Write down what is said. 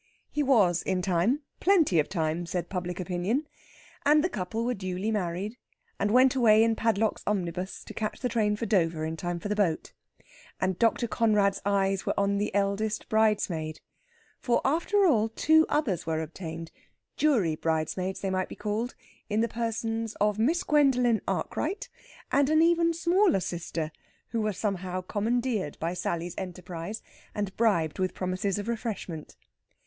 He was in time plenty of time, said public opinion. And the couple were duly married, and went away in Padlock's omnibus to catch the train for Dover in time for the boat. And Dr. Conrad's eyes were on the eldest bridesmaid. For, after all, two others were obtained jury bridesmaids they might be called in the persons of Miss Gwendolen Arkwright and an even smaller sister, who were somehow commandeered by Sally's enterprise, and bribed with promises of refreshment.